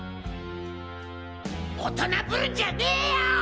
大人ぶるんじゃねぇよ！